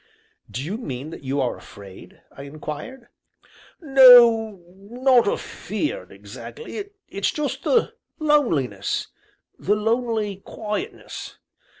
"Do you mean that you are afraid?" I inquired. "No, not afeared exactly; it's jest the loneliness the lonely quietness.